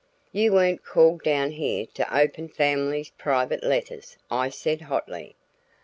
"You weren't called down here to open the family's private letters," I said hotly.